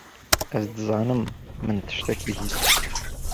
Ez dizanim min tiştek bihîst.